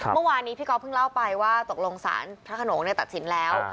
เมื่อวานนี้พี่ก๊อฟเพิ่งเล่าไปว่าตกลงศาลพระขนงตัดสินแล้ว